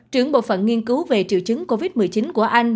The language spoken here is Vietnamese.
trưởng bộ phận nghiên cứu về triệu chứng covid một mươi chín của anh